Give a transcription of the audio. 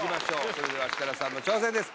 それでは設楽さんの挑戦です